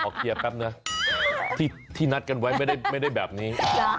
เคลียร์แป๊บนะที่นัดกันไว้ไม่ได้แบบนี้